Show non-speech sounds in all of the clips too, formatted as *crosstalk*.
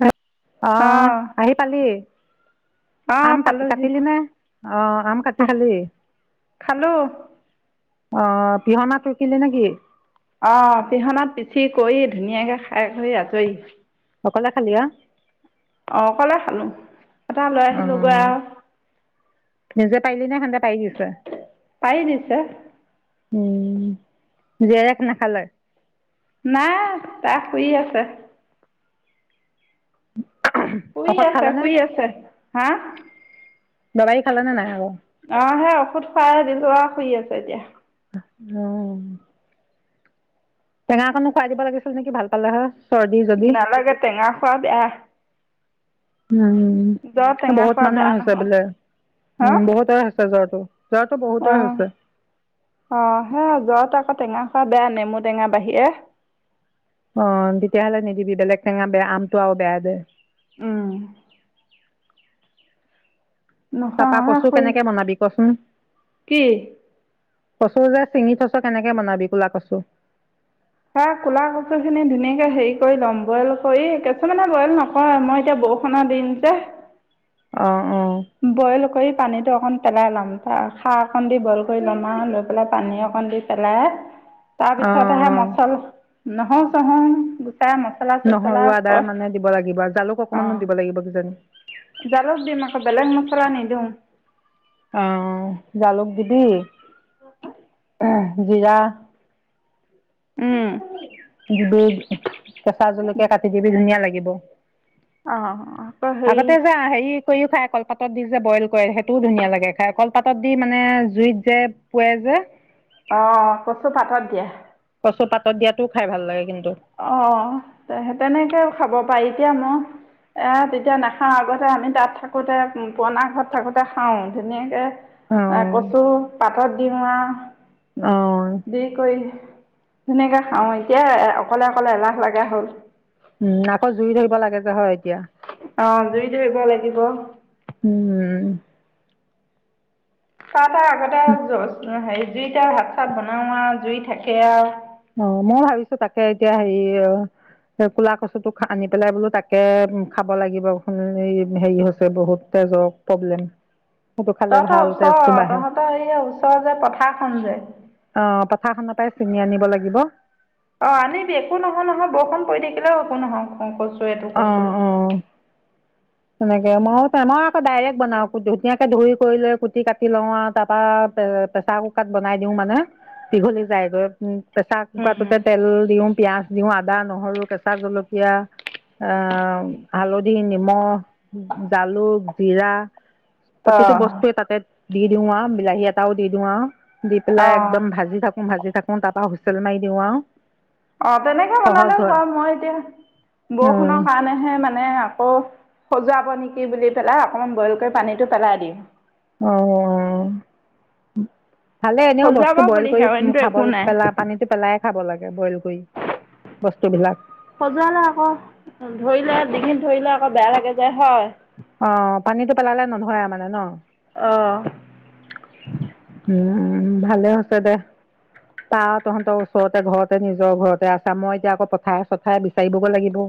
অ', আহ আহি পালি আম অ', ক পালোহি কাটিলি নে আহ আম কাটি খালি খালো অ পিহনাত ৰকিলি নেকি অ পিহনাত পিচি কৰি ধুনীয়াকে খাই কৰি আজৰি অকলে খালি অ অ অকলে খালো এটা লৈ আহিলো গৈ আৰু ন খান্া পাই দিছিলে পাই দিছে উম জেৰেক নাখালে নাই তাক শুই আছা শুই ঔষধ আছা খালে নে শুই আছে হা দবাই খালে নে নাই আকৌ আহ সে ঔষধ খাই দিলোৱা শু আছছে এতিয়া উম টেঙাকনো খুৱাই দিব লাগিছিল নেকি ভাল পালে হ নালাগে টেঙা খোৱা বেয়া উম জ্বৰ টেঙা বহুত খোৱা মানুহে বেয়া হৈছে নহয় বোলে হা উ বহুতে হৈছে জ্বৰটো জ্বৰটো বহুতৰে অ হৈছে অ সে জ্বৰটো আকৌ টেঙা খোৱা বেয়া নেমু টেঙা বাহিৰে অ তেতিয়াহ'লে নিদিবি বেলেগ টেঙা বেয়া আমটো আৰু বেয়া দে উম তাপা নোখোৱা কছো শুই কেনেকে বনাবি কচোন কি কচু যে চিঙি থইছ কেনেকে বনাবি কু'লা কচু হা কু'লা কচু খিনি ধুনীয়াকে হেৰি কৰি ল'ম বইল কৰি কিছুমানে বইল নকৰে মই এতিয়া বৰষুণৰ দিন যে অ অ বইল কৰি পানীতো অকণ তেনেই নাম তাৰ খাক দি বইল কৰি ল'ম আৰু লৈ পেলাই পানী অকন পন্দি পেলাই অ তাৰপিছত আহে অ মচল নহয় চহয় নহৰু আদা মানে দিব লাগিব জালুক অকমানো অঁ দিব লাগিব কিজানি মচলা নিদিওঁ আহ জালুক দিবি জিৰা উম যত কেঁচা জলকীয়া কাটি দিবি ধুনীয়া লাগিব লাগিব অ আকৌ সেই হেৰি কৰিও খাই কলপাতত দি যে বইল কৰে সেইটোও ধুনীয়া লাগে খাই কলপাতত দি মানে জুইত যে পুৱে যে অ কচো পাতত দিয়ে কচু পাতত দিয়াতো খাই ভাল লাগে কিন্তু অ তেনেকে খাব পাৰি তেতিয়া মই এ তেতিয়া নাখাওঁ আগতে আমি তাত থাকোতে পোৰনা ঘৰত থাকোতে খাও ধুনীয়াকে অ এ কচু পাত পাতত দিও আৱ অ দি কৰি ন ধুনীয়াকে খাও এতিয়া অকলে অকলে এলাহ লগা হ'ল উম আকৌ জুই থাকিব লাগে যে হয় এতিয়া অ জুই ধৰিব লাগিব উম চাহ তটা আগতে হেৰি জুইতাৰ হাত চাত বনাওঁ আৰু জুই থাকে আৰু অ মই ভাবিছো তাকে এতিয়া হেৰি ক'লা কচুটো আনি পেলাই বোলো তাকে খাব লাগিব হেৰি হৈছে বহুত তেজৰ প্ৰব্লেম সেইটো খালে তইহঁতৰ ভাল তেজটো ওচৰ বাঢ়ে তহঁতৰ এই ওচৰ যে পথাৰখন যে পথাখন পৰা চিঙ আন লাগে লাগিব অ আনিবি একো নহয় নহয় বৰষুণ পৰি থাকিলেও একো নহয় সংচু তয় এইটো অ কছো মইে মই আকৌ ডাইৰেক্ট বনাওঁ ধুনাকে ধুই কৰি লৈ কুটি কাটি লও আৰু তাৰ পৰাা প্ৰেচাৰ কুকাৰত বনাই দিও মানে দীঘলী যাইগৈ উ চাহ উম, কুকটোতে তেল দিওঁ পিয়াঁজ দিওঁ আদা নহৰু কেঁচা জলকীয়া আহ হালধি নিমখ জালুক জিৰা প্ৰতিটো অ', বস্তুৱে তাতে দি দিও আ ওবিলাহী এটাও দি দও হা দি পেলাই অ', একদম ভাজি থাকো ভাজি থাকো তাৰপৰা হুইেল মাৰি দিও আৰু অ তেনেকে সহজ বনালেও হয় খাম মই এতিয়া বহুত শুনৰ কাৰণেহে মানে আকৌ সজোৱাব নেকি বুলি পেলাই অকমান বইল কৰি পানীটো পেলাই দিম অহ ভালে এনেও সজোৱাব বস্তু বইল বুলিহে কৰি অইনটো খাব একো নাই। পেলাই পানীটো পেলাইে খাব লাগে বইল কৰি বস্তু বিলাক খজোৱালে আকৌ ধৰিলে দিঘিন ধৰিলে আকৌ বেয়া লাগে যায় হয় অ পানীতটো পেলালে নধৰে মানে ন অহ উম ভালে হৈছে দে তাৰ তহঁতৰ ওচৰতে ঘৰতে নিজৰ ঘৰতে আছে মই এতিয়া আকৌ পথাই চথাই বিচাৰিবগৈ লাগিব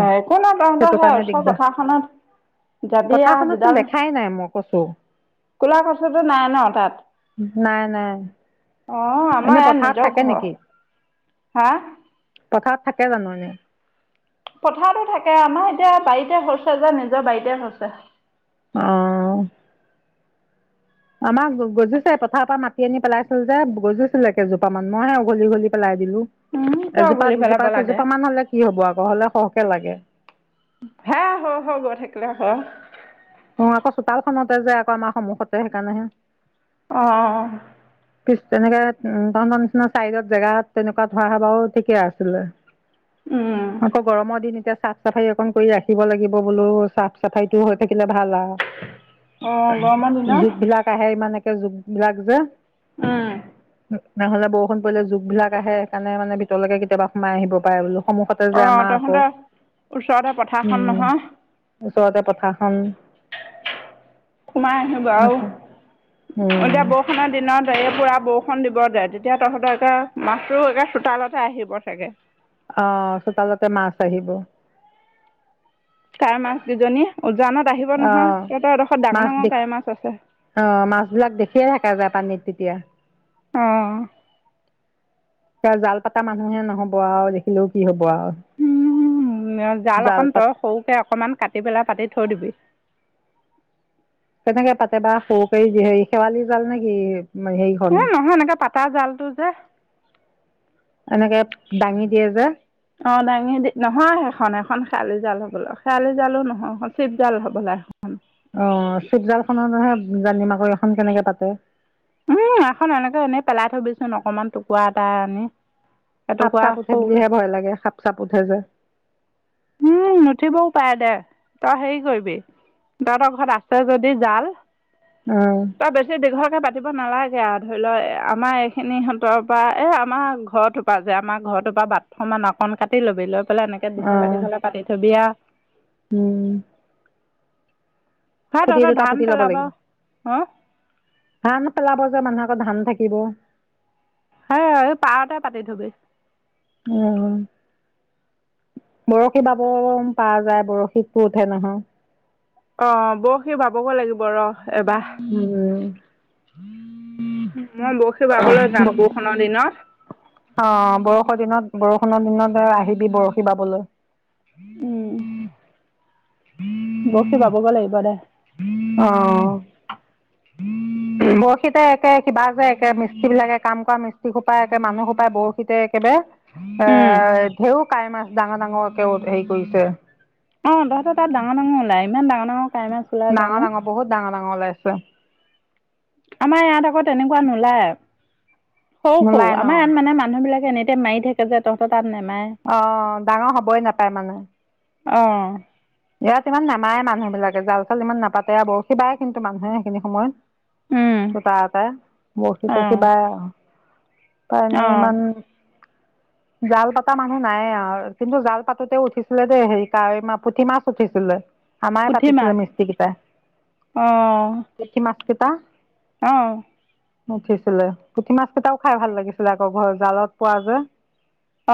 অ একো ন ত সেইটো সে কাৰণে ওচৰ দিগদাৰ পথাৰখনত যাবি আহ দুডাল কচু ক'লা কছৰটো নাই ন তাত নাই নাই আহ আমাৰ এনে ইয়াত পথাৰত নিজৰ থাকে ঘৰ নেকি হাঁ পথাৰত থাকে জানো এনে পথাৰতো থাকে আমাৰ এতিয়া বাৰীতে হৈছে যে নিজৰ বাৰীতে হৈছে আহ, আমাক গজিছে পথাৰৰ পৰা মাতি আনি পেলাইছিলো যে, গজিছিল কেইজোপা মান মইহে উঘলি-উঘলি পেলাই দিলো। উম কিয় এজোপা উঘালি পেলাব দুজোপা লাগে। কেইজোপা মান হ'লে কি হ'ব? আকৌ হ'লে সহ এক লাগে। হা, হ-হ গৈ থাকিলে আহ, অ' আকৌ চোতালখনতে যে আকৌ আমাৰ সন্মুখতে সেইকাৰণেহে। আহ, পিছ তেনেকে উ, তহঁতৰ নিচিনা চাইডত জেগাত তেনেকুৱা ধৰা হলেও ঠিকে আছিলে। উম আকৌ গৰমৰ দিন এতিয়া চাফ-চাফাৰ অকন কৰি ৰাখিব লাগিব বোলো, চাফ-চাফাই টো হৈ থাকিলে ভাল অ গৰমৰ আৰু দিনত জুগ বিলাক আহে ইমানে যুক বিলাগ যে উ, নহলে বৰষুণ পৰিলে জুগবিলাক আহে, সেইকাৰণে মানে ভিতৰলৈকে কেতিয়াবা সোমাই আহিব পাৰে বোলো। সন্মুখতে যে আহ, আমাৰ আকৌ তহঁতে ওচৰতে পথাৰখন উম নহয়। ওচৰতে পথাৰখন সোমাই আহিব আৰু, উম এতিয়া বৰষুণৰ দিনত পুৰা বৰষুণ দিব যে, তেতিয়া তহঁতৰে মাছটো একে চোতালতে আহিব থাকে। আহ, চোতালতে মাছ আহিব। কাৱৈ মাছ দুজনী উজানত আহিব নহয় আহ তহঁতৰ এডোখত মাছ দে ডাঙৰ-ডাঙৰ কাঁৱৈ মাছ আছে। অ মাছ বিলাক দেখিয়ে থকা যায় পানীত তেতিয়া আহ, এ জাল পতা মানুহে নহব আৰু দেখিলেও কি হব আৰু। উম জাল অকন তই সৰুকে অকনমান কাটি পেলাই পাতি থৈ দিবি। কেনেকে পাতে বা সৰু কৰি যি শেৱালি জাল নেকি? উ, নহয় এনেকে পা তাৰ জালটো যে, এনেকে দাঙি দিয়ে যে, অ' দাঙি দি নহয় সেইখন-সেইখন খেৱালি জাল হ'বলা খেৱালি জালো নহয়, চিপ জাল হ'বলা এখন। অ' চিৱজাল খনৰ নহয় জানিম আকৌ এইখন কেনেকে পাতে। উম, এখন এনেকে, ভএনেই পেলাই থবিচোন অকমান টুকুুৱৰা এটা আনি। এটুকুৰা সাপ-চাপ উঠে সৰুকৈ বুলিহে ভয় লাগে সাপ-চাপ উঠে যে। উম নুঠিবও পাৰে দে তই হেৰি কৰিবি, তইহতৰ ঘৰত আছে যদি জাল অ তই বেছি দীঘল পাতিব নালাগে আৰু ধৰি লও, আমাৰ এইখিনি সহঁতৰ পৰা এই আমাৰ ঘৰটোপা পৰা যে আমাৰ ঘৰতৰ পৰা বাথৰুম আৰু অকন কাটি ল'বি লৈ পেলাই, অ দীঘল-দীঘললে পাতি থবি আৰু। উম, সেই খুটি তহঁতৰ দুটা ধান ফুটি লব পেলাব লাগিব অঁ ভ ন পেলাব মানুহৰ আকৌ ধান থাকিব হয় এই পাৰতে পাতি থবি উম বৰশী বাব প যায় বৰশীতটো উঠে নহয় অঁ বৰ সি ভাবগে লাগিব বৰ এবাহ *unintelligible* মই বৰশী বাবলৈ যাম, বৰষুণৰ দিনত। অ' বৰষৰ দিনত, বৰষুণৰ দিনত আহিবি বৰশী বাবলৈ। উম *unintelligible* *unintelligible* বৰশী বাবগে লাগিব দে। অ' বৰশীতে একে কিবা যে একে মিস্ত্ৰীবিলাকে কাম কৰা মিস্ত্ৰীসোপাই একে মানুহসোপাই বৰশীতে একেবাৰে। *unintelligible* কাৱৈ মাছ ডাঙৰ-ডাঙৰকে হেৰি কৰিছে। অ' তহঁতৰ তাত ডাঙৰ-ডাঙৰ ওলায়। ইমান ডাঙৰ-ডাঙৰ ডাঙৰ-ডাঙৰ বহুত ডাঙৰ-ডাঙৰ ওলাইছে। আমাৰ ইয়াত আকৌ তেনেকুৱা নোলায়। সৰু-সৰু, নোলাই ন আমাৰ ইয়াত মানে মানুহবিলাক এনে টাইম মাৰি থাকে যে তহঁতৰ তাত নাই অ' ডাঙৰ হ'বই নাপায় মানে। অ'। ইয়াত ইমান নামাএ মানুহবিলাকে জাল-চাল ইমান নাপাতে আৰু বৰশী বায় কিন্তু মানুহে, সেইখিনি উম সময়ত। *unintelligible* বশি-চশি অঁ বাই আও কাৰণে অঁ ইমান। জাল পাতা মানুহ নাইয়ে আৰু, কিন্তু জাল পাতোতেও উঠিছিলে দেই হেৰি কাৱৈ মা-পুঠি মাছ উঠিছিলে। আমাৰে পুঠি পাতিছিলে মাছ মিস্ত্ৰীকেইটাই। পুঠি মাছ কেইটা? অ'। উঠিছিলে, পুঠি মাছ কেইটাও খাই ভাল লাগিছিলে আকৌ ঘৰৰ জালত পোৱা যে।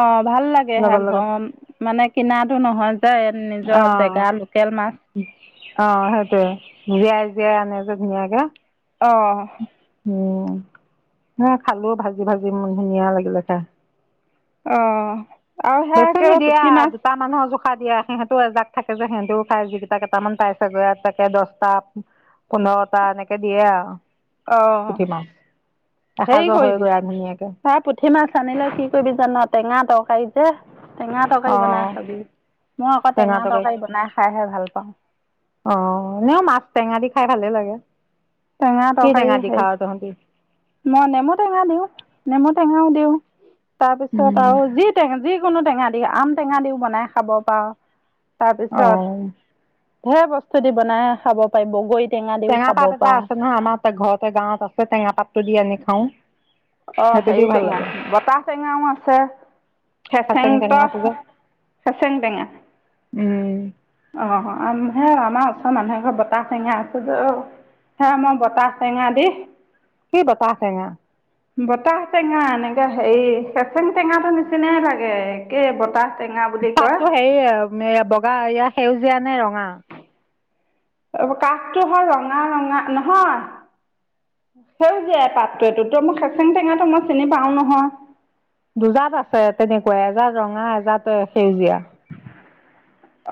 অ' ভাল লাগে সে লগত লগত ঘৰ মানে কিনাটো নহয় যে নিজে নিজৰ জেগা, লোকেল মাছ। অ' সেইটোৱে। জীয়াই-জীয়াই আনে যে ধুনীয়াকে। অহ। *unintelligible* এয়া খালো ভাজি-ভাজি, ধুনীয়া লাগিলে খাই। অ'। বেছি নিদিয়ে আও, দুটা মানুহ জুখ খাই দিয়ে সিহঁতো এজাক থাকে যে সিহঁতেও খায়, যিকেইটা কেইটামান পাই চাগৈ তাকে দশটা-পোন্ধৰটা এনেকে দিয়ে আৰু। অ', পুঠি মাছ হেৰি এসাঁজৰ কৰিবি, হয়গৈ আৰু ধুনীয়াকে তাৰে পুঠি মাছ আনিলে কি কৰিবি জান! টেঙা-তৰকাৰী *unintelligible* টেঙা অ তৰকাৰী বনাই খাবি মই আকৌ টেঙা তৰকাৰী বনাই খাইহে ভাল অ পাওঁ এনেও মাছ টেঙা দি খাই ভালে লাগে টেঙা কি তৰকাৰী টেঙা দি হেৰি খাৱ তহঁতি মই নেমু টেঙা দিওঁ নেমু টেঙাও দিওঁ তাৰ পিছত উম আৰু যি টেঙা যি কোনো টেঙা দি আম টেঙা দিও বনাই খাব পাৰ অ তাৰপিছত ধেৰ বস্তু দি বনাই খাব পাৰি বগৰী দিও টেঙা খাব পাত এটা পাৰ আছে নহয় আমাৰ ঘৰতে গাঁৱত আছে টেঙা পাতটো দি আনি খাওঁ অ সেইটো হেৰি দিও ভাল টেঙা লাগে বতাহ টেঙাও আছে খাচেং ফেচেং ক টেঙাটো যে ফেচেং টেঙা উম আহ সেয়া আমাৰ ওচৰৰ মানুহ এঘৰ বতাহ টেঙা আছে ত সেয়া মই বতাহ টেঙা দি কি বতাহ টেঙা বতাহ টেঙা এনেকা হেৰি ফেচেং টেঙাটো নিচিনাই লাগে একে বতাহ টেঙা বুলি কয় পাততটো হেৰি বগা য়া সেউজ জীয়া নে ৰঙা কাষটো হ'ল ৰঙা ৰঙা নহয় সেউজীয়া পাতটো এইতো তহ মই ফেচেং টেঙাটো মই চিনি পাওঁ নহয় দুজাত আছে তেনেকুৱা এজাত ৰঙা এজাত সেউজীয়া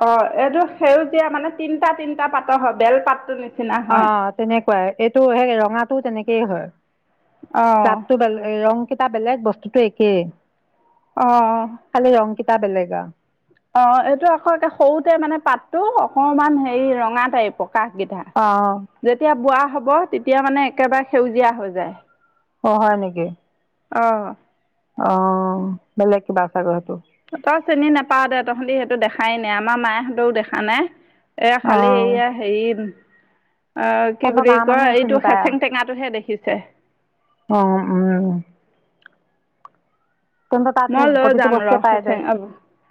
অ এইটো সেউজীয়া মানে তিনটা তিনটা পাতৰ হয় বেল পাতটো নিচিনা অ হয় তেনেকুৱাই এইটো সেই ৰঙাটো তেনেক কুৱা হয় অঁ পাততো বেল ৰং কেইটা বেলেগ বস্তুতটো একেই আহ টা বেলেগ আৰু অ এইটো আকৌ সৰুতে মানে পাতটো অকমান হেৰি ৰঙা টাইপৰ কাষ কেইটা অ যেতিয়া বুঢ়া হ'ব তেতিয়া মানে একেবাৰে সেউজীয়া হৈ যায় অ হয় নেকি অ অ বেলেগ কিবা আচ ঘ্ৰথাটো তঁতই চিনি নাপাও দে তহঁতি সেইটো দেখাই নাই আমাৰ মায়েহঁতেও দেখা নাই এয়া অ খালি এইয়া হেৰি কি তহঁতৰ বুলি গাঁৱৰ কয় মানুহে এইটো চিনি পায় খেচেং আৰু টেঙাটোহে দেখিছে অ উম তহত তাত মই লৈ প্ৰতিটো যাম ৰ বস্তুৱে পাই যায় খেচেং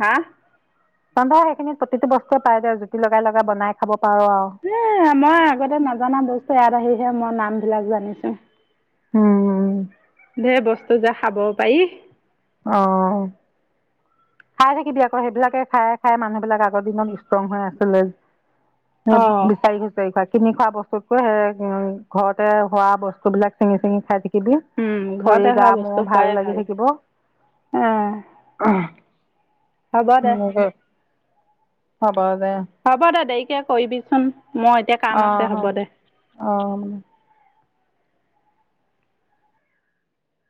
হা তহত সেইখিনি প্ৰতিটো বস্তুৱে পায় যে জুতি লগাই লগাই বনাই খাব পাৰ আৰু এই আমাৰ আগতে নজনা বস্তু ইয়াত আহি এতিয়াহে মই নামবিলাক জানিছো উমম সেই বস্তু যে খাব পাৰি অ খাই থাকিবি আকৌ সেইবিলাকে খাই খাই মানুহ বিলাক আগৰ দিনত ষ্ট্ৰং হৈ আছিলে বিচাৰি বিচাৰি খাই কিনি খোৱা বস্তুতকৈ সেই ঘৰতে হোৱা বস্তুবিলাক চিঙি চিঙি খাই। উম ঘৰতে শৰীৰ গা হোৱা বস্তু মংস খোৱাই ভাল লাগি থাকিব অ হ'ব দে উ হব দে। কে কৰিবিচোন মই এতিয়া কাম আছে অঁ হ'ব দে অঁ